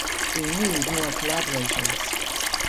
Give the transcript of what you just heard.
We need more collaborators.